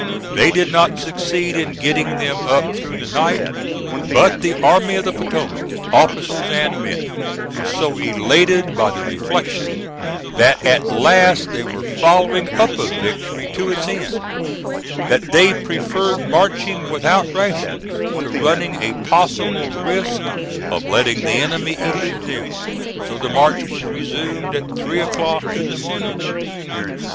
They did not succeed in getting them up through the night; but the Army of the Potomac, officers and men, were so elated by the reflection that at last they were following up a victory to its end, that they preferred marching without rations to running a possible risk of letting the enemy elude them. So the march was resumed at three o'clock in the morning.